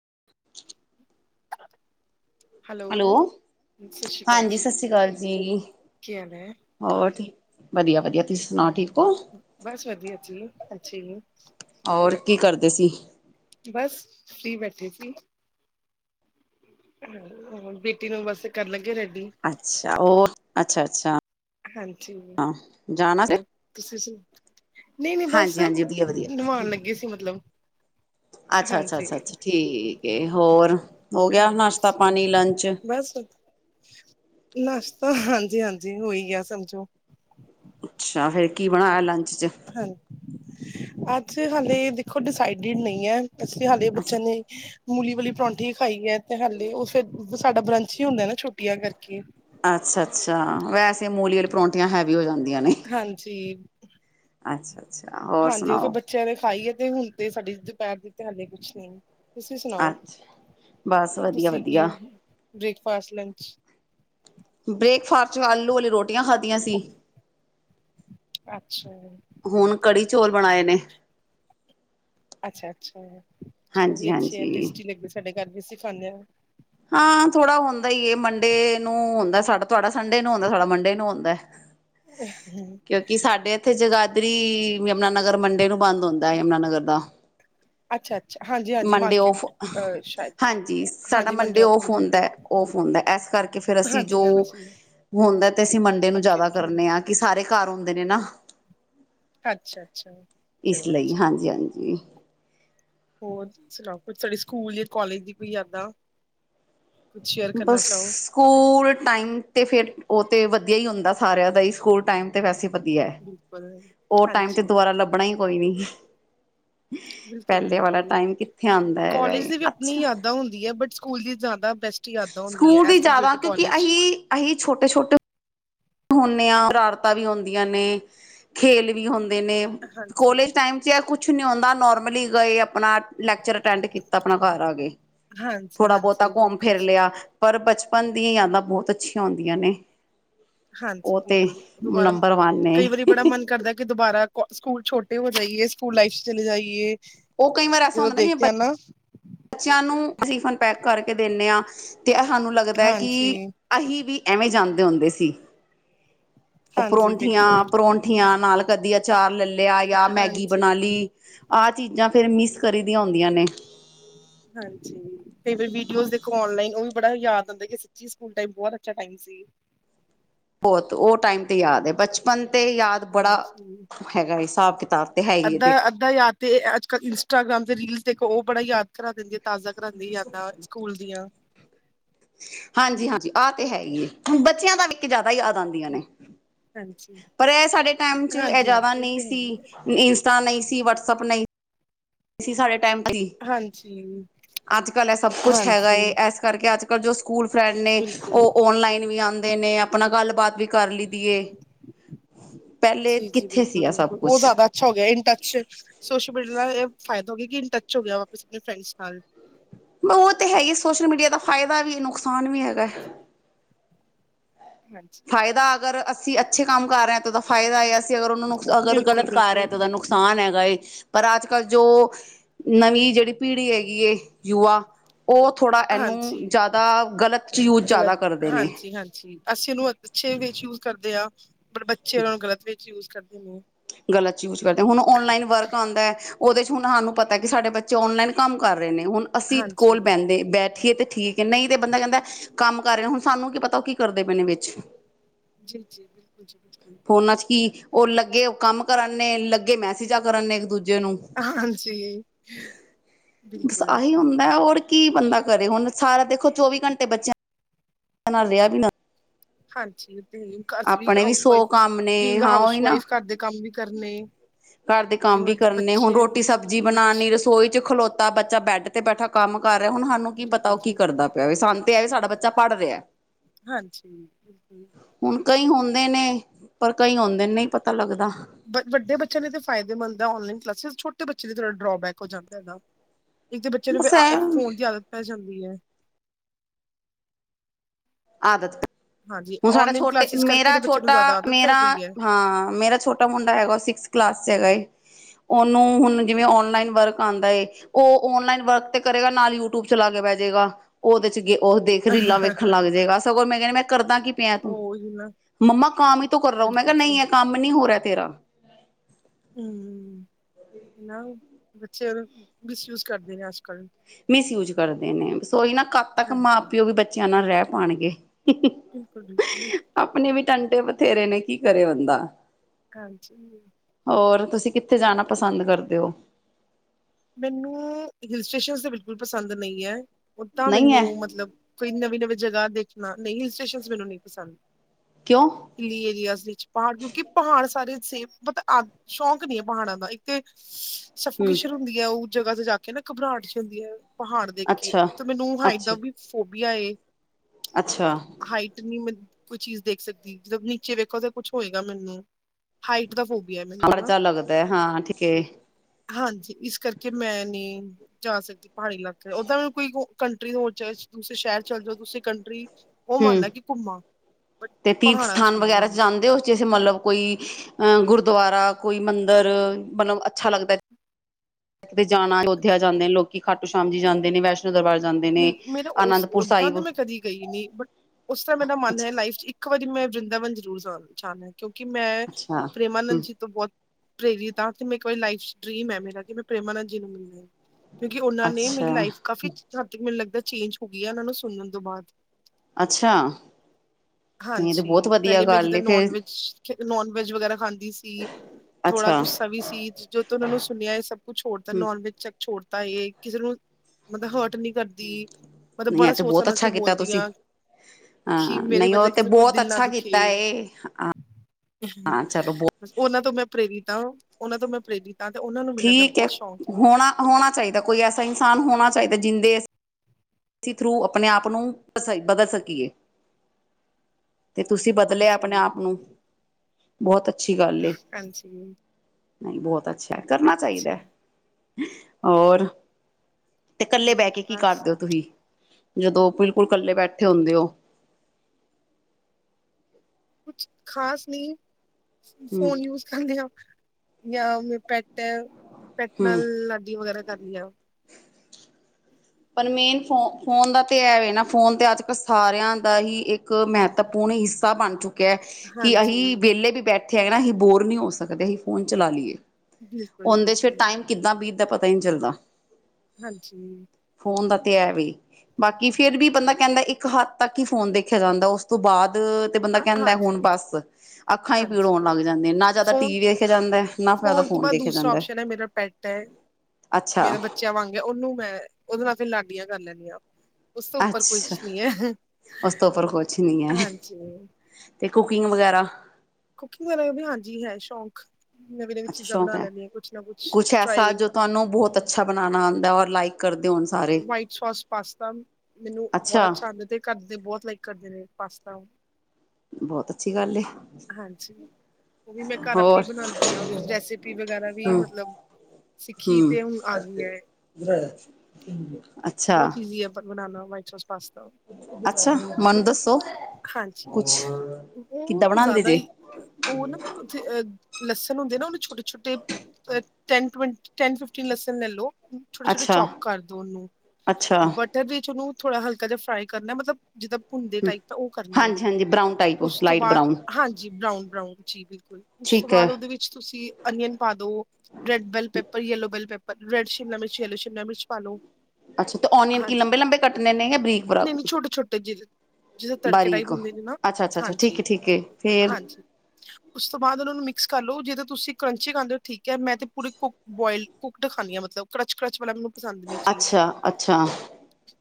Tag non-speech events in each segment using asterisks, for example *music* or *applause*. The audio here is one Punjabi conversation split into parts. *inaudible* ਹੈਲੋ ਸਤਿ ਸ਼੍ਰੀ ਅਕਾਲ ਹਾਂਜੀ ਜੀ। ਸਤਿ ਸ੍ਰੀ ਅਕਾਲ ਜੀ ਕੀ ਹਾਲ ਹੈ? ਹੋਰ ਠੀਕ ਵਧੀਆ ਵਧੀਆ ਤੁਸੀਂ ਸੁਣਾ ਠੀਕ ਹੋ ਬਸ ਵਧੀਆ ਜੀ, ਅੱਛਾ ਹੋਰ ਕੀ ਕਰਦੇ ਸੀ ਬਸ ਫਰੀ ਬੈਠੇ ਸੀ ਬੇਟੀ ਨੂੰ ਬਸ ਕਰਨ ਲੱਗੇ ਰ ਅੱਛਾ ਉਹ ਅੱਛਾ ਅੱਛਾ ਹਾਂਜੀ ਜਾਣਾ ਫਿਰ ਹੋਰ ਤੁਸੀਂ ਸੁਣਾ ਨਹੀਂ ਨਹੀਂ ਬਸ ਹਾਂਜੀ ਹਾਂਜੀ ਵਧੀਆ ਵਧੀਆ। ਨਵਾਉਣ ਲੱਗੇ ਸੀ ਮਤਲਬ ਅੱਛਾ ਅੱਛਾ ਹਾਂਜੀ ਅੱਛਾ ਅੱਛਾ ਠੀਕ ਹੈ ਹੋਰ ਹੋ ਗਿਆ ਹਾਂ ਨਾਸ਼ਤਾ ਪਾਣੀ ਲੰਚ? ਬਸ ਹਾਂਜੀ-ਹਾਂਜੀ ਉਹੀ ਆ ਸਮਝੋ, ਅੱਛਾ ਫੇਰ ਕੀ ਬਣਾਇਆ ਲੰਚ ਚ? ਹਾਂਜੀ ਅੱਜ ਹਾਲੇ ਦੇਖੋ ਡਿਸਾਈਡਡ ਨਹੀਂ ਹੈ ਅਸੀ ਹਾਲੇ ਬੱਚਿਆਂ ਅੱਛਾ ਨੇ ਮੂਲੀ ਵਾਲੀ ਪਰੌਂਠੀ ਹੀ ਖਾਈ ਹੈ ਤੇ ਹਾਲੇ ਉਹ ਫੇਿਰ ਸਾਡਾ ਬਰੰਚ ਹੀ ਹੁੰਦਾ ਨਾ ਛੁੱਟੀਆਂ ਕਰਕੇ ਅੱਛਾ ਅੱਛਾ ਵੈਸੇ ਮੂਲੀਅਲ ਪਰੌਠੀਆਂ ਹੈਵੀ ਹੋ ਜਾਂਦੀ ਹਾਂਜੀ ਅੱਛਾ ਅੱਛਾ ਹੋਰ ਹਾਂਜੀ ਉਥੇ ਸੁਣਾਓ ਬੱਚਿਆਂ ਨੇ ਖਾਈਏ ਤੇ ਹੁਣ ਤੇ ਸਾਡੀ ਦੁਪਹਿਰ ਦੇ ਤੇ ਹਜੇ ਕੁਛ ਨਹੀਂ ਤੁਸੀਂ ਸੁਣਾਓ ਅੱਛਾ ਬਸ ਵਧੀਆ ਤੁਸੀਂ ਕੀ ਵਧੀਆ ਬ੍ਰੇਕਫਾਸਟ ਲੰਚ ਬ੍ਰੇਕਫਾਸਟ ਆਲੂ ਵਾਲੀ ਰੋਟੀਆਂ ਖਾਧੀਆਂ ਸੀ ਅੱਛਾ ਹੁਣ ਕੜੀ ਚੌਲ ਬਣਾਏ ਨੇ ਅੱਛਾ ਅੱਛਾ ਹਾਂਜੀ ਵੀ ਅੱਛੇ ਹਾਂਜੀ ਟਸ ਲਦੇ ਸਾਡੇ ਘਰ ਵੀ ਅਸੀਂ ਖਾਂਦੇ ਹਾਂ ਹਾਂ ਥੋੜਾ ਹੁੰਦਾ ਈ ਮੰਡੇ ਨੂੰ ਹੁੰਦਾ ਸਾਡਾ ਤੁਹਾਡਾ ਸੰਡੇ ਨੂੰ ਹਉਂਦਾ ਸਾਡਾ ਮੰਡੇ ਨੂੰ ਆੁੰਦਾ ਹੈ ਕਿਉਂਕਿ ਸਾਡੇ ਇੱਥੇ ਜਗਾਦਰੀ ਯਮੁਨਾ ਨਗਰ ਮੰਡੇ ਨੂੰ ਬੰਦ ਹੁੰਦਾ ਯਮੁ ਨਗਰ ਦਾ ਅੱਛਾ ਅੱਛਾ ਹਾਂਜੀ ਹਾਂਜੀ ਮੰਡੇ ਮਾਰਕੀਟ ਫ ਅ ਸ਼ਾਇਦ ਹਾਂਜੀ ਸਾਡਾ ਹਾਂਜੀ ਮੰਡੇ ਔਫ ਔਫਨ ਤੋਂ ਹੁੰਦਾ ਫ ਹੁੰਦਾ ਐਸ ਕਰਕੇ ਫੇਰ ਅਸੀਂ ਜੋ ਹਾਂਜੀ ਹਾਂਜੀ ਹੁੰਦਾ ਤੇ ਅਸੀਂ ਮੰਡੇ ਨੂੰ ਓਕੇ ਜਿਆਦਾ ਓਕੇ ਕਰਨੇ ਹਾਂ ਕਿ ਸਾਰੇ ਘ ਹੁੰਦੇ ਨੇ ਨਾ ਅੱਛਾ ਅੱਛਾ ਇਸ ਚਲੋ ਲਈ ਅੱਛਾ ਜੀ ਹਾਂਜੀ ਹਾਂਜੀ ਹੋਰ ਸੁਣਾ ਕੁ ਸਾਡੇ ਸਕੂਲ ਜਾਂ ਕੋਾਲਜ ਦੀ ਕੋਈ ਯਾਦਾਂ ਕੁਛ ਸ਼ੇਅਰ ਕਰਨਾ ਬਸ ਚਾਹੋ ਸਕੂਲ ਟਾਈਮ ਤੇ ਫੇਿਰ ਉਹ ਤੇ ਵਧੀਆ ਹੀ ਹੁੰਦਾ ਸਾਰਿਆਂ ਦਾ ਹੀ ਸਕੂਲ ਟਾਈਮ ਤੇ ਵੈਸੇ ਵਧੀਆ ਹੈ ਬਿਲਕੁਲ ਉਹ ਟਾਈਮ ਤੇ ਹਾਂਜੀ ਦੁਬਾਰਾ ਲੱਭਣਾ ਹੀ ਕੋਈ ਨੀ ਬਿਲਕੁਲ ਪਹਿਲੇ ਵਾਲਾ ਬਿਲਕੁਲ ਟਾਈਮ ਕਿੱਥੇ ਆਉਂਦਾ ਹੈਗਾ ਕੋਾਲਜ ਏ ਦੀ ਵੀ ਆਪਣੀ ਅੱਛਾ ਯਾਦਾਂ ਹੁੰਦੀ ਹੈ ਬਟ ਸਕੂਲ ਦੀ ਜਿਆਦਾ ਸਕੂਲ ਵੀ ਜ਼ਿਆਦਾ ਕਿਉਂਕਿ ਅਸੀਂ ਅਸੀਂ ਛੋਟੇ ਛੋਟੇ ਹੁੰਦੇ ਹਾਂ ਰਾਰਤਾਂ ਵੀ ਹੁੰਦੀਆਂ ਨੇ ਖੇਲ ਵੀ ਹੁੰਦੇ ਹਾਂਜੀ ਕੋਲੇਜ ਟਮ ਚ ਕੁਛ ਨੀ ਹੁੰਦਾ ਨੋਰਮਲੀ ਗਏ ਆਪਣਾ ਲੈਕਚਰ ਅਡ ਕੀਤਾ ਆਪਣਾ ਘਰ ਆ ਗ ਹਾਂਜੀ ਥੋੜਾ ਬਹੁਤਾ ਹਾਂਜੀ ਘੁੰਮ ਬਿਲਕੁਲ ਫਿਰ ਜੀ ਲਿਆ ਪਰ ਬਚ ਪਨ ਦੀਆਂ ਯਾਦਾਂ ਬਹੁਤ ਅੱਛੀਆਂ ਹੁੰਦੀਆਂ ਨੇ। ਹਾਂਜੀ ਉਹ ਤੇ ਬਿਲਕੁਲ, ਦੁਬਾਰਾ ਨੰਬਰ ਵਨ ਨੇ ਕਈ ਵਾਰੀ ਬੜਾ ਮਨ ਕਰਦਾ ਕਿ ਦੁਬਾਰਾ ਕੋ ਸਕੂਲ ਛੋਟੇ ਹੋ ਜਾਈਏ, ਸਕੂਲ ਲਾਈਫ ਚਲੇ ਜਾਈਏ। ਉਹ ਕਈ ਵਾਰ ਐਸਾ ਜਦੋਂ ਹੁੰਦਾ ਜਿਵੇਂ ਦੇਖਦੇ ਆ ਨਾ ਬੱਚਿਆਂ ਨੂੰ ਟੀਫਨ ਪੈਕ ਕਰਕੇ ਦੇਣੇ ਹਾਂ। ਤੇ ਏਹ ਸਾਨੂੰ ਲੱਗਦਾ ਏ ਕਿ ਹਾਂਜੀ ਅਹੀਂ ਵੀ ਐਵੇਂ ਜਾਂਦੇ ਹੁੰਦੇ ਸੀ। ਉਹ ਹਾਂਜੀ ਬਿਲਕੁਲ ਪਰੋਂਂਠੀਆਂ-ਪਰੋਂਠੀਆਂ ਨਾਲ ਕਧੀ ਅਚਾਰ ਲੇ ਦਆ ਯਾ ਮੈਗੀ ਹਾਂਜੀ ਬਣਾ ਲਈ, ਆਹ ਚੀਜ਼ਾਂ ਫੇਰ ਮਿਸ ਬਿਲਕੁਲ ਕਰੀ ਦੀਆਂ ਹੁੰਦੀਆਂ ਨੇ। ਹਾਂਜੀ ਕਈ ਵਾਰ ਵੀ ਕਲੋਜ਼ ਦੇਖੋ ਔਨਲਾਇਨ, ਉਹ ਵੀ ਬੜਾ ਯਾਦ ਆਂਦਾ ਏ ਕਿ ਸੱਚੀ ਸਕੂਲ ਟਾਈਮ ਬਹੁਤ ਅੱਛਾ ਟਾਈਮ ਸੀ। ਬਹੁਤ ਉਹ ਟਾਈਮ ਤੇ ਯਾਦ ਹੈ ਬਚਪਨ ਤੇ ਯਾਦ ਬੜਾ ਹਾਂਜੀ ਹੈਗਾ ਏ ਹਿਸਾਬ ਕਿਤਾਬ, ਤੇ ਹੈ ਹੀ ਏ ਅੱਧਾ ਦੇ ਅੱਧਾ ਯਾਦ ਤੇ ਅੱਜ ਕੱਲ੍ਹ ਇੰਸਟਾਗ੍ਰਾਮ ਦੇ ਰੀਲਸ ਦੇਖੋ, ਉਹ ਬੜਾ ਯਾਦ ਕਰਾ ਦਿੰਦੇ ਹਾਂਜੀ-ਹਾਂਜੀ, ਆਹ ਤੇ ਹੈ ਹੀ ਏ, ਹੁਣ ਬੱਚਿਆਂ ਦਾ ਵੇਖ ਕੇ ਜਿਆਦਾ ਯਾਦ ਆਉਂਦੀਆਂ ਨੇ। ਹਾਂਜੀ ਪਰ ਇਹ ਸਾਡੇ ਟਾਈਮ ਚ ਇਹ ਹਾਂਜੀ ਜ਼ਿਆਦਾ ਹਾਂਜੀ ਇਹ ਨਹੀਂ ਤੇ ਹੈ ਸੀ। ਹੀ ਹੈ। ਇੰਸਟਾ ਨਹੀਂ ਸੀ, ਵਟਸਪ ਨਹੀਂ ਅਸੀਂ ਸਾਡੇ ਟਾਈਮ ਸੀ ਹਾਂਜੀ। ਅੱਜ ਕੱਲ ਇਹ ਸਭ ਕੁਛ ਹੈਗਾ ਹਾਂਜੀ ਏ, ਏਸ ਕਰਕੇ ਅੱਜ ਕੱਲ ਜੋ ਸਕੂਲ ਫਰੈਂਡ ਨੇ, ਬਿਲਕੁਲ ਉਹ ਔਨਲਾਈਨ ਵੀ ਆਂ ਆਦੇ ਨੇ ਆਪਣਾ ਗੱਲਬਾਤ ਵੀ ਕਰ ਲਈਦੀਏ ਜੀ-ਜੀ, ਸਭ ਬਿਲਕੁਲ-ਬਿਲਕੁਲ, ਉਹ ਕੁਛ ਜ਼ਿਆਦਾ ਅੱਛਾ ਹੋ ਗਿਆ, ਇਨਟੱਚ ਸੋਸ਼ਲ ਮੀਡੀਆ ਫਾਇਦਾ ਹੋ ਗਿਆ ਕਿ ਇਨਟੱਚ ਹੋ ਗਿਆ ਵਾਪਿਸ ਆਪਣੇ ਫਰੈਂਡਸ ਨਾਲ। ਉਹ ਤੇ ਹੈ ਹੀ ਏ, ਸੋਸ਼ਲ ਮੀਡੀਆ ਦਾ ਫਾਇਦਾ ਵੀ ਏ, ਨੁਕਸਾਨ ਵੀ ਹੈਗਾ ਏ। ਹਾਂਜੀ ਫਾਇਦਾ ਅਗਰ ਅਸੀਂ ਅੱਛੇ ਕੰਮ ਕਰ ਰਹੇ ਆ ਤੇ ਉਹਦਾ ਫਾਇਦਾ ਏ, ਅਸੀ ਅਗਰ ਉਹਨੂੰ ਨੁਕਸ ਅਗਰ ਬਿਲਕੁਲ ਗਲਤ ਕਰ ਰਹੇ ਆ ਬਿਲਕੁਲ ਤੇ ਉਹਦਾ ਨੁਕਸਾਨ ਹੈਗਾ ਏ। ਪਰ ਅੱਜ ਕੱਲ੍ਹ ਜੋ, ਨਵੀਂ ਜਿਹੜੀ ਪੀੜ੍ਹੀ ਹੈਗੀ ਏ ਯੁਵਾ ਉਹ ਥੋੜ੍ਹਾ ਇਹਨੂੰ ਹਾਂਜੀ ਜ਼ਿਆਦਾ ਗਲਤ ਚ ਯੂਜ ਜ਼ਿਆਦਾ ਕਰਦੇ ਨੇ। ਅਛੇ ਵਿੱਚ ਯੂਜ ਕਰਦੇ ਆ, ਪਰ ਬੱਚੇ ਨਾ ਗ਼ਲਤ ਵਿੱਚ ਯੂਜ ਕਰਦੇ ਨੇ। ਗਲਤ ਚੂਜ ਕਰਦੇ, ਹੁਣ ਔਨਲਾਈਨ ਵਰਕ ਆਉਂਦਾ ਹੈ, ਉਹਦੇ ਚ ਹੁਣ ਹਾਨੂੰ ਪਤਾ ਕਿ ਸਾਡੇ ਬੱਚੇ ਔਨਲਾਈਨ ਕੰਮ ਕਰ ਰਹੇ ਨੇ, ਹੁਣ ਅਸੀਂ ਹਾਂਜੀ ਕੋਲ ਬਹਿੰਦੇ, ਬੈਠੀਏ ਤੇ ਠੀਕ ਹੈ, ਨਹੀਂ ਤੇ ਬੰਦਾ ਕਹਿੰਦਾ ਏ ਕੰਮ ਕਰ ਰਹੇ ਹਾਂ, ਹੁਣ ਸਾਨੂੰ ਕੀ ਪਤਾ ਉਹ ਕੀ ਕਰਦੇ ਪਏ ਨੇ ਵਿੱਚ? ਜੀ-ਜੀ। ਫੋਨਾਂ ਚ ਕੀ, ਉਹ ਲੱਗੇ ਉਹ ਕੰਮ ਕਰਨ ਨੇ, ਲੱਗੇ ਮੈਸੇਜਾਂ ਕਰਨ ਨੇ ਇੱਕ ਦੂ ਜੇ ਨੂ, ਹਾਂਜੀ, ਬਸ ਬਿਲਕੁਲ ਆਹੀ ਹੁੰਦਾ ਏ, ਹੋਰ? ਕੀ ਬੰਦਾ ਕਰੇ ਹੁਣ? ਸਾਰਾ ਦੇਖੋ ਚੌਵੀ ਘੰਟੇ ਬੱਚਿਆਂ ਨਾਲ ਰਿਹਾ ਵੀ ਨਾ ਹਾਂਜੀ। ਘਰ ਚ ਬੀਂਗ ਅ ਆਪਣੇ ਵੀ ਸੌ ਹਾਉਸਵਾਈਫ, ਕੰਮ ਨੇ ਬੀਂਗ ਅ ਹਾਂ ਉਹੀ ਨਾ ਹਾਊਸਵਾਈਫ ਘਰ ਦੇ ਕੰਮ ਵੀ ਕਰਨੇ। ਘਰ ਦੇ ਤੇ ਕੰਮ ਵੀ ਉਹ ਕਰਨੇ, ਹੁਣ ਬੱਚੇ ਰੋਟੀ ਸਬਜ਼ੀ ਬਣਾਉਣੀ, ਬੱਚੇ ਰਸੋਈ ਚ ਖਲੋਤਾ ਬੱਚਾ ਬੈਡ ਤੇ ਬੈਠਾ ਕੰਮ ਕਰ ਰਿਹਾ, ਹੁਣ ਹਾਨੂੰ ਕੀ ਪਤਾ ਬਿਲਕੁਲ ਉਹ ਕੀ ਜੀ, ਕਰਦਾ ਪਿਆ ਵੇ? ਸਾਨੂੰ ਤੇ ਏਹ ਵੇ, ਜੀ ਸਾਡਾ ਜੀ, ਬੱਚਾ ਪੜ੍ਹ ਰਿਹਾ ਏ। ਹਾਂਜੀ। ਹੁਣ ਕਈ ਹੁੰਦੇ ਨੇ, ਪਰ ਕਈ ਹੁੰਦੇ ਨੇ ਨਹੀਂ ਪਤਾ ਲੱਗਦਾ। ਬ ਵੱਡੇ ਬੱਚਿਆਂ ਲਈ ਤਾਂ ਫਾਇਦੇਮੰਦ ਏ ਔਨਲਾਈਨ ਕਲਾਸਿਸ, ਛੋਟੇ ਬੱਚੇ ਲਈ ਥੋੜਾ ਡਰੋਬੈਕ ਹੋ ਜਾਂਦਾ ਇਹਦਾ। ਇੱਕ ਤੇ ਬੱਚੇ ਨੂੰ ਬਸ ਐ ਆਹ ਏਹ ਫੋਨ ਦੀ ਆਦਤ ਪੈ ਜਾਂਦੀ ਹੈ। ਆਦਤ। ਹਾਂਜੀ। ਹੁਣ ਸਾਡਾ ਔਨਲਾਈਨ ਛੋਟੇ, ਕਲਾਸਿਸ ਕਰਕੇ ਮੇਰਾ ਤੇ ਬੱਚੇ ਨੂੰ ਛੋਟਾ ਜ਼ਿਆਦਾ ਆਦਤ ਪੈ ਮੇਰਾ ਗਈ ਹੈ ਹਾਂ ਮੇਰਾ ਛੋਟਾ ਮੁੰਡਾ ਹੈਗਾ, ਉਹ ਸਿਕਸਥ ਕਲਾਸ ਚ ਹੈਗਾ ਏ। *inaudible* ਉਹਨੂੰ ਹੁਣ ਜਿਵੇਂ ਔਨਲਾਈਨ ਵਰਕ ਆਉਂਦਾ ਏ, ਉਹ ਔਨਲਾਈਨ ਵਰਕ ਤੇ ਕਰੇਗਾ, ਨਾਲ ਯੂ ਟਿਊਬ ਚਲਾਕੇ ਬੈ ਜੇ ਗਾ, ਉਹਦੇ ਚ ਗ ਉਹ ਦੇਖ ਰੀਲਾਂ ਵੇਖਣ ਲੱਗ ਜੇਗਾ, ਸਗੋਂ ਮੈਂ ਕਹਿੰ ਮੈਂ ਕਰਦਾ ਕੀ ਪਿਆ ਏ ਤੂੰ? ਉਹੀ ਨਾ ਮੰਮਾ ਕਾਮ ਹੀ ਤੋ ਕਰ ਰਹਾ ਹੂੰ, ਮੈਂ ਕਿਹਾ ਬਿਲਕੁਲ ਜੀ ਨਹੀਂ ਏਹ ਕੰਮ ਨੀ ਹੋ ਰਿਹਾ ਤੇਰਾ। ਹੂੰ ਨਾ ਬੱਚੇ ਨਾ ਮਿਸਯੂਜ ਕਰਦੇ ਨੇ ਕੱਲ ਮਿਸਯੂਜ ਕਰਦੇ ਨੇ ਸੋਹੀ ਨਾ ਕੱਦ ਤੱਕ ਮਾਂ ਹਾਂਜੀ ਪਿਓ ਵੀ ਬੱਚਿਆਂ ਨਾਲ ਰਹਿ ਪਾਉਣਗੇ। ਬਿਲਕੁਲ-ਬਿਲਕੁਲ, ਤੇੇਰੇ ਨੇ ਕੀ ਕਰੇ ਬੰਦਾ, ਹਾਂਜੀ, ਹੋਰ ਤੁਸੀਂ ਕਿੱਥੇ ਜਾਣਾ ਪਸੰਦ ਕਰਦੇ ਹੋ? ਮੈਨੂੰ ਹਿਲ ਸਟੇਸ਼ਨ ਤੇ ਬਿਲਕੁਲ ਪਸੰਦ ਨਹੀਂ ਹੈ। ਉਦਾਂ ਨਹੀਂ ਮੈਨੂੰ ਹੈ ਮਤਲਬ ਕੋਈ ਨਵੀਂ ਨਵੀਂ ਜਗ੍ਹਾ ਦੇਖਣਾ ਨਹੀਂ ਹਿਲ ਸਟੇਸ਼ਨ ਮੈਨੂੰ ਨਹੀਂ ਪਸੰਦ, ਕਿਉਂ ਹਿਲੀ ੲਰੀਆਸ ਵਿੱਚ ਪਹਾੜ ਕਿਉਂਕਿ ਪਹਾੜ ਸਾਰੇ ਸੇ ਮਤਲਬ ਸ਼ੌਕ ਨੀ ਹੈ ਪਹਾੜਾਂ ਦਾ ਇੱਕ ਤੇ ਹਮ ਸਫੋਕੇਸ਼ਨ, ਹੁੰਦੀ ਉਹ ਜਗ੍ਹਾ ਤੇ ਜਾ ਕੇ ਨਾ ਘਬਰਾਹਟ ਜੀ ਹੁੰਦੀ ਹੈ ਪਹਾੜ ਦੇਖ ਕੇ ਅੱਛਾ ੳੱਤੋਂ ਮੈਨੂੰ ਹਾਈਟ ਦਾ ਅੱਛਾ ਵੀ ਫੋ ਫੋਬੀਆ ਅੱਛਾ ਹਾਈਟ ਨੀ ਮ ਕੋਈ ਚੀਜ਼ ਦੇਖ ਸਕਦੀ ਮਤਲਬ ਨੀਚੇ ਵੇਖੋ ਤਾਂ ਕੁੱਛ ਹੋਏਗਾ ਮੈਨੂੰ ਹਾਈਟ, ਹੋਬੀਆ ਮੈਨੂੰ ਨਾ ਖਰਚਾ ਲੱਗਦਾ ਹੈ ਹਾਂ ਠੀਕ ਹੈ ਤੇ ਹਾਂਜੀ, ਇਸ ਕਰਕੇ ਮੈਂ ਨਹੀਂ ਜਾ ਸਕਦੀ ਪਹਾੜੀ ਇਲਾਕੇ ਉਦਾਂ ਮੈਨੂੰ ਕੋਈ ਹੋਰ, ਕੰਟਰੀ ਨੂੰ ਹੋਰ ਚ ਦੂਸਰੇ ਸ਼ਹਿਰ ਚੱਲ ਜਾਓ ਦੂਸਰੇ ਕੰਟਰੀ, ਉਹ ਹਮ ਮੰਨਦਾ ਕਿ ਘੁੰਮਾ ਵੀ ਪਹਾੜਾਂ ਚ ਨਹੀਂ ਮਨ ਜੇਸੇ ਮਤਲਬ ਕੋਈ ਅ ਗੁਰਦੁਆਰਾ ਕੋਈ ਮੰਦਿਰ ਮਤਲਬ ਅੱਛਾ ਲੱਗਦਾ। ਜਾਣਾ ਅਧਿਆ ਜਾਂਦੇ ਨੇ ਲੋਕੀ ਖੱਟੂ ਸ਼ਾਮ ਜੀ ਜਾਂਦੇ ਨੇ ਵੈਸ਼, ਨਹੀਂ ਮੇਰਾ ਉਸ ਓਦਾਂ ਤੇ ਮੈਂ ਕਦੀ ਗਈ ਨਹੀਂ ਬਟ, ਉਸ ਤਰ੍ਹਾਂ ਮੇਰਾ ਮਨ ਹੈ ਅੱਛਾ ਲਾਈਫ ਚ ਇੱਕ ਵਾਰੀ ਮੈਂ ਵ੍ਰਿੰਦਾਵਨ ਜ਼ਰੂਰ ਜਾ ਚਾਹੁੰਦਾ ਕਿਉਂਕਿ ਮੈਂ ਅੱਛਾ ਪ੍ਰੇਮਾਨੰਦ ਹਮ ਜੀ ਤੋਂ ਬਹੁਤ, ਪ੍ਰੇਰਿਤ ਤੇ ਇੱਕ ਵਾਰੀ ਲਾਈਫ ਡਰੀਮ ਹੈ ਮੇਰਾ ਕਿ ਮੈਂ ਪ੍ਰੇਮਾਨੰਦ ਜੀ ਨੂੰ ਮਿਲਣਾ। ਕਿਉਂਕਿ ਉਹਨਾਂ ਨੇ ਮੇਰੀ ਅੱਛਾ ਲਾਈਫ ਕਾਫੀ ਹਦ ਤੱਕ ਮੈਨੂੰ ਲੱਗਦਾ ਚੇਂਜ ਹੋ ਗਈ ਆ ਉਹਨਾਂ ਨੂੰ ਸੁਣਨ ਤੋਂ ਬਾਅਦ, ਅੱਛਾ ਨਹੀਂ ਤੇ ਬਹੁਤ ਹਾਂਜੀ, ਵਧੀਆ ਪਹਿਲੇ ਮੈਂ ਜਿੱਦਾਂ ਗੱਲ ਫਿਰ, ਨੋਨ ਵੈਜ, ਨੋਨ ਵੈਜ ਵਗੈਰਾ ਖਾਂ, ਸੀ ਥੋੜਾ ਅੱਛਾ ਗੁੱਸਾ ਵੀ ਸੀ ਜੋ ਤੇ ਉਹ ਨੂੰ ਸੁਣਿਆ ਇਹ ਸਭ ਕੁੱਛ ਹੋਰ ਤਾਂ ਹਮ ਨੋਨ ਵੈਜ ਚੱਕ, ਛੋੜਤਾ ਕਿਸੇ ਨੂੰ ਮਤਲਬ ਹ ਨੀ ਕਰਦੀ ਮਤਲਬ ਨਹੀਂ ਇਹ ਬੜਾ ਤੇ ਸੋਚ ਬਹੁਤ ਸਮਝ ਕੇ ਅੱਛਾ ਕੀਤਾ ਬੋਲਦੀ ਤੁਸੀਂ ਹਾਂ। ਕਿ ਹਾਂ ਮੇਰੇ ਨਹੀਂ ਉਹ ਵਦਨ ਤੇ ਕਿਸੇ ਕੋਈ ਬਹੁਤ ਦਿਲ ਨਾ ਅੱਛਾ ਦੁਖੇ, ਕੀਤਾ ਏ ਹਾਂ ਚਲੋ ਬਹੁਤ ਉਹਨਾਂ ਤੋਂ ਮੈਂ ਪ੍ਰੇਰਿਤ ਹਾਂ ਉਹਨਾਂ ਤੋਂ ਮੈਂ ਪ੍ਰੇਰਿਤ, ਹਾਂ ਤੇ ਉਹਨਾਂ ਨੂੰ ਮਿਲਣ ਦਾ ਠੀਕ ਹੈ ਬਹੁਤ ਸ਼ੌਕ ਹੈ, ਹੋਣਾ ਹੋਣਾ ਚਾਹੀਦਾ ਕੋਈ ਐਸਾ ਇਨਸਾਨ ਹੋਣਾ ਚਾਹੀਦਾ ਜਿੰਦੇ, ਅਸੀ ਥਰੂ ਆਪਣੇ ਆਪ ਨੂੰ ਬਦਲ ਸਕੀਏ। ਤੇ ਤੁਸੀਂ ਬਦਲਿਆ ਆਪਣੇ ਹਾਂਜੀ, ਆਪ ਨੂੰ ਬਹੁਤ ਅੱਛਾ, ਅੱਛੀ ਗੱਲ ਹਾਂਜੀ। ਨਹੀਂ ਬਹੁਤ ਅੱਛਾ ਕਰਨਾ ਚਾਹੀਦਾ। ਹੋਰ ਤੇ ਇਕੱਲੇ ਹੂੰ, ਬਹਿ ਕੇ ਕੀ ਬਸ ਕਰਦੇ ਹੋ ਤੁਸੀਂ? ਜਦੋਂ ਬਿਲਕੁਲ ਇਕੱਲੇ ਬੈਠੇ ਹੁੰਦੇ ਹੋ, ਕੁਛ ਖ਼ਾਸ ਨੀ ਹਮ ਫੋਨ ਯੂਜ ਕਰਦਿਆਂ ਜਾਂ ਮ ਪੈਟ ਹੈ ਪੈਟ ਹਮ ਨਾਲ ਲਾਡੀ ਵਗੈਰਾ ਕਰਦੀ ਆ ਪਰ ਮੇਨ ਫ ਫੋਨ ਦਾ ਤੇ ਇਹਵੇ ਨਾ ਫੋਨ ਤੇ ਅੱਜ-ਕੱਲ ਸਾਰਿਆਂ ਦਾ ਹੀ ਇੱਕ ਮਹੱਤਵਪੂਰਨ, ਣੇ ਹਿੱਸਾ ਬਣ ਚੁੱਕਿਆ। ਕਿ ਹਾਂਜੀ, ਅਸੀਂ ਵਹਲੇ ਵੀ ਬੈਠੇ ਆਗੇ ਨਾ ਅਸੀਂ ਬੋਰ ਨੀ ਹੋ ਸਕਦੇ ਅਸੀਂ ਫੋਨ ਚਲਾ ਲਈਏ। ਉਹਦੇ ਚ ਫਿਰ ਬਿਲਕੁਲ-ਬਿਲਕੁਲ, ਟਾਈਮ ਕਿੱਦਾਂ ਬੀਤਦਾ ਪਤਾ ਹੀ ਨਹੀਂ ਚੱਲਦਾ। ਹਾਂਜੀ, ਫੋਨ ਦਾ ਤੇ ਹੈ ਵੀ ਬਾਕੀ ਫਿਰ ਵੀ ਬੰਦਾ ਕਹਿੰਦਾ ਇੱਕ ਹੱਦ ਤੱਕ ਹੀ ਫੋਨ ਦੇਖਿਆ ਜਾਂਦਾ ਉਸ ਤੋਂ ਬਾਅਦ, ਤੇ ਬੰਦਾ ਕਹਿੰਦਾ ਹੁਣ ਬਸ ਅੱਖਾਂ ਹੀ ਪੀੜ ਹੋਣ ਹਾਂਜੀ-ਹਾਂਜੀ, ਲੱਗ ਜਾਂਦੀਆਂ ਨਾ ਜਿਆਦਾ ਫੋਨ ਟੀ ਵੀ ਵੇਖਿਆ ਜਾਂਦਾ ਨਾ, ਜ਼ਿਆਦਾ ਫੋਨ ਤੋਂ ਬਾਅਦ ਦੇਖਿਆ ਦੂਸਰਾ ਜਾਂਦਾ ਔਪਸ਼ਨ ਹੈ ਮੇਰਾ ਪੈਟ ਹੈ। ਅੱਛਾ ਮੇਰੇ ਬੱਚਿਆਂ ਵਾਂਗ ਉਹਨੂੰ ਮੈਂ ਉਹਦੇ ਨਾਲ ਫਿਰ ਲਾਡੀਆਂ ਕਰ ਲੈਦੀ ਆ। ਉਸ ਤੋਂ ਉੱਪਰ ਅੱਛਾ ਕੁਛ ਨੀ ਹੈ ਉਸ ਤੋਂ ਉੱਪਰ ਕੁਛ ਨਹੀਂ ਹੈ ਹਾਂਜੀ ਤੇ ਕੁਕਿੰਗ ਵਗੈਰਾ ਕੁਕਿੰਗ ਦਾ ਹਾਂਜੀ ਹੈ ਸ਼ੌਕ ਨਵੀਂ-ਨਵੀਂ ਅੱਛਾ ਚੀਜ਼ਾਂ ਸ਼ੌਕ ਬਣਾ ਹੈ ਲੈਂਦੀ ਹਾਂ ਕੁਛ ਨਾ ਕੁਛ ਐਸਾ ਟਰਾਈ ਜੋ ਤੁਹਾਨੂੰ ਬਹੁਤ ਅੱਛਾ ਬਣਾਉਣਾ ਆਉਂਦਾ ਔਰ ਲਾਈਕ ਕਰਦੇ ਹੋਣ ਸਾਰੇ ਵਾਇਟ ਸੋਸ ਪਾਸਤਾ ਮੈਨੂੰ ਬਹੁਤ ਅੱਛਾ *unintelligible* ਘਰ ਦੇ ਹੁਤ ਲਾਈਕ ਕਰਦੇ ਨੇ ਪਾਸਤਾ ਬਹੁਤ ਅੱਛੀ ਗੱਲ ਏ ਹਾਂਜੀ ਉਹ ਵੀ ਮੈਂ ਘਰ ਆਪੇ ਹੋਰ ਹੀ ਬਣਾਉਂਦੀ ਹਾਂ ਉਸ ਰੈਸਪੀ ਵਗੈਰਾ ਵੀ ਹਮ ਮਤਲਬ ਸਿੱਖੀ ਹਮ ਤੇ ਹੁਣ ਆ ਗਈ ਹੈ ਅੱਛਾ ਬਹੁਤ ਈਜ਼ੀ ਹੈ ਬਣਾਉਣਾ ਵਾਇਟ ਸੋਸ ਪਾਸ ਅੱਛਾ ਮੈਨੂੰ ਦੱਸੋ ਹਾਂਜੀ ਕੁਛ ਉਹ ਕਿੱਦਾਂ ਬਣਾਉਂਦੇ ਜ਼ਿਆਦਾ ਜੇ ਹੀ ਉਹ ਨਾ ਉੱਥੇ ਅਹ ਲਸਣ ਹੁੰਦੇ ਨਾ ਉਹਨੇ ਛੋਟੇ ਛੋਟੇ ਫਿਫਟੀ ਲਸਣ ਲੈ ਲਓ ਛੋਟੇ ਛੋਟੇ ਅੱਛਾ ਚੋਪ ਕਰ ਦੋ ਉਹਨੂੰ ਅੱਛਾ ਬਟਰ ਵਿੱਚ ਉਹਨੂੰ ਥੋੜਾ ਹਲਕਾ ਜਿਹਾ ਫਰਾਈ ਕਰਨਾ ਮਤਲਬ ਜਿੱਦਾਂ ਭੁੰਦੇ ਟਾਈਪ ਤਾਂ ਉਹ ਕਰਨਾ ਆ ਹਾਂਜੀ ਹਾਂਜੀ ਬਰਾਊਨ ਟਾਈਪ ਉਸ ਤੋਂ ਲਾਈਟ ਬਾਅਦ ਬਰਾਊਨ ਹਾਂਜੀ ਬਰਾਊਨ ਬਰਾਊਨ ਚੀ ਬਿਲਕੁਲ ਉਸ ਤੋਂ ਠੀਕ ਹੈ ਬਾਅਦ ਉਹਦੇ ਵਿੱਚ ਤੁਸੀਂ ਅਨੀਅਨ ਪਾ ਦੋ red bell pepper yellow bell pepper red Shimla ਮਿਰਚ ਯਲੋ ਸ਼ਿਮਲਾ ਮਿਰਚ ਪਾ ਲੋ ਅੱਛਾ ਤੇ ਓਨੀਅਨ ਕੀ ਲੰਬੇ ਲੰਬੇ ਕੱਟਣੇ ਨੇ ਹੈ ਬਰੀਕ ਬਰਾਕ ਜਿੱਦੋਂ ਤੜਕੇ ਟਾਈਪ ਹੁੰਦੇ ਨੇ ਨਾ ਠੀਕ ਹਾਂਜੀ ਹੈ ਠੀਕ ਹੈ ਫੇਰ ਹਾਂਜੀ ਉਸ ਤੋਂ ਬਾਅਦ ਉਹਨਾ ਨੂੰ ਮਿਕਸ ਕਰਲੋ ਜਿਦ ਤੁਸੀਂ ਕਰੰਚੀ ਖਾਂਦੇ ਹੋ ਠੀਕ ਕ ਮੈਂ ਤੇ ਪੂਰੇ ਕੁੱਕ ਬੋਇਲ ਕੁੱਕ ਖਾਣੀ ਹਾਂ ਮਤਲਬ ਕੜਾਚ ਕੜਾਚ ਵਾਲਾ ਮੈਨੂੰ ਪਸੰਦ ਨੀ ਚੀਜ਼ ਅੱਛਾ-ਅੱਛਾ।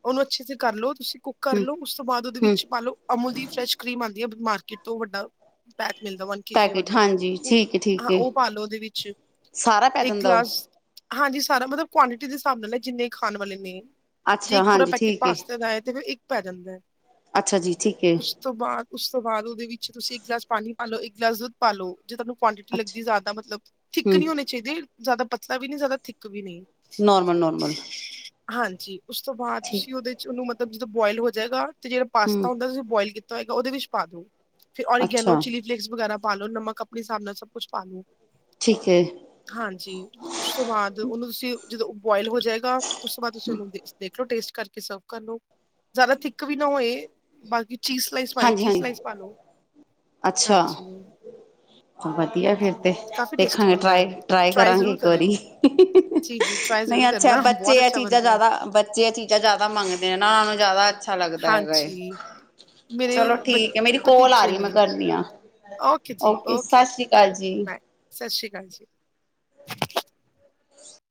ਉਹਨੂੰ ਅੱਛੇ ਕਰਲ ਲੋ ਤੁਸੀਂ ਕੁੱਕ ਕਰ ਲਓ ਉਸ ਤੋਂ ਬਾਅਦ ਉਹਦੇ ਹਮ ਵਿੱਚ ਪਾ ਲਓ ਅਮੂਲ ਦੀ ਫਰੈਸ਼ ਕਰ੍ਰੀਮ ਆਂਦੀ ਹੈ ਬਿਮਾਰ ਕਿੱਤੋਂ ਵੱਡਾ ਪੈਕ ਮਿਲਦਾ ਵਨ ਕੇ ਜ ਪੈਕੇਟ ਵਾਲਾ ਹਾਂਜੀ ਉਹ ਠੀਕ ਹੈ ਠੀਕ ਹਾਂ ਹੈ ਉਹ ਪਾਲੋ ਉਹਦੇ ਵਿੱਚ ਸਾਰਾ ਪੈ ਇੱਕ ਜਾਂਦਾ ਉਹ? ਗਲਾਸ ਹਾਂਜੀ ਸਾਰਾ ਮਤਲਬ ਕੁਆਆਂਟਿਟੀ ਦੇ ਹਿਸਾਬ ਨਾਲ ਜਿੰਨੇ ਖਾਣ ਵਾਲੇ ਨੇ। ਜੇ ਅੱਛਾ ਇੱਕ ਪੂਰਾ ਹਾਂਜੀ ਪੈਕੇਟ ਠੀਕ ਪਾਸਤਾ ਦਾ ਹੈ ਤੇ ਫਿਰ ਇੱਕ ਪੈ ਜਾਂਦਾ ਹੈ। ਅੱਛਾ ਜੀ ਠੀਕ ਹੈ। ਉਸ ਤੋਂ ਬਾਅਦ ਉਸ ਤੋਂ ਬਾਅਦ ਉਹਦੇ ਵਿੱਚ ਤੁਸੀਂ ਇੱਕ ਗਲਾਸ ਪਾਣੀ ਪਾਲੋ ਇੱਕ ਗਿਲਾਸ ਦੁੱਧ ਪਾਲ ਲੋ। ਜੇ ਤੁਹਾਨੂੰ ਕੁਆਂਟਿਟੀ ਅੱਛਾ ਲੱਗਦੀ ਜ਼ਿਆਦਾ ਮਤਲਬਥਿੱਕ ਥਿੱਕ ਹਮ ਹੋਣੇ ਚਾਹੀਦੇ ਜ਼ਿਆਦਾ ਪਤਲਾ ਵੀ ਨਹੀਂ ਜ਼ਿਆਦਾ ਥਿੱਕ ਵੀ ਨਹੀਂ। Normal normal. ਹਾਂਜੀ ਉਸ ਤੋਂ ਬਾਅਦ ਠੀਕ ਤੁਸੀਂ ਉਹਦੇ ਚ ਉਹਨੂੰ ਮਤਲਬ ਜਦੋਂ ਬੋਇਲ ਹੋ ਜਾਏਗਾ ਤੇ ਜਿਹੜਾ ਹਮ ਪਾਸਤਾ ਹੁੰਦਾ ਤੁਸੀਂ ਬੋਇਲ ਕੀਤਾ ਹੈਗਾ ਉਹਦੇ ਵਿੱਚ ਪਾ ਦੋ ਫਿਰ ਓਰੀਗਨੋ ਅੱਛਾ ਚੀਲੀ ਫਲੇਕਸ ਵਗੈਰਾ ਪਾ ਲੋੋ ਨਮਕ ਆਪਣੇ ਹਿਸਾਬ ਨਾਲ ਸਭ ਕੁਛ ਪਾ ਲ ਲੋ। ਠੀਕ ਹੈ ਹਾਂਜੀ ਉਸ ਤੋਂ ਬਾਅਦ ਉਹਨੂੰ ਤੁਸੀਂ ਜਦੋਂ ਬੋਆਇਲ ਹੋ ਜਾਏਗਾ ਉਸ ਤੋਂਅਦ ਤੁਸੀਂ ਇਹਨੂੰ ਦੇਖ ਲੋ ਟੇਸਟ ਟੇਸਟ ਕਰਕੇ ਸਰਵ ਕਰ ਲੋ ਜ਼ਿਆਦਾ ਥਿੱਕ ਵੀ ਨਾ ਹੋਏ ਬਾਕੀ ਚੀਜ਼ ਸਲਾਈਸ ਪਾਣੀ ਹਾਂਜੀ ਚੀਜ਼ ਹਾਂਜੀ ਸਲਾਈਸ ਪਾ ਲ ਲੋ। ਅੱਛਾ ਹਾਂਜੀ। ਵਧੀਆ ਫਿਰ ਜੀ, ਤੇ ਦੇਖਾਂਗੇ ਟਰਾਈ ਟਰਾਈ ਕਰਾਂਗੇ ਇੱਕ ਵਾਰੀ। ਨਹੀਂ ਅੱਛਾ ਬੱਚੇ ਇਹ ਚੀਜ਼ਾਂ ਜ਼ਿਆਦਾ ਬੱਚੇ ਇਹ ਚੀਜ਼ਾਂ ਜ਼ਿਆਦਾ ਮੰਗਦੇ ਆ ਨਾ ਉਹਨਾਂ ਨੂੰ ਜ਼ਿਆਦਾ ਅੱਛਾ ਲੱਗਦਾ ਹੈਗਾ ਹੇ ਮੇਰੇ ਚਲੋ ਠੀਕ ਹੈ ਮੇਰੀ ਕੋਲ ਆ ਭਤੀਜੇ ਰਹੀ ਮੈਂ ਨੇ। ਕਰਦੀਆਂ ਓਕੇ ਸਤਿ ਸ੍ਰੀ ਅਕਾਲ। ਜੀ ਬਾਏ ਸਤਿ ਸ੍ਰੀ ਅਕਾਲ ਜੀ।